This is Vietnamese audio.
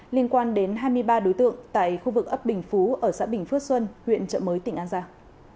liên quan đến hai mươi ba đối tượng tại khu vực ấp bình phú ở xã bình phước xuân huyện trợ mới tỉnh an giang